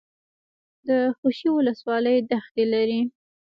د خوشي ولسوالۍ دښتې لري